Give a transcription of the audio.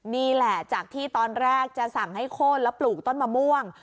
นี่แหละจากที่ตอนแรกจะสั่งให้โค้นแล้วปลูกต้นมะม่วง